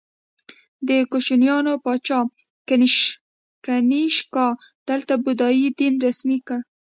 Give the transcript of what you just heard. د کوشانیانو پاچا کنیشکا دلته بودايي دین رسمي کړ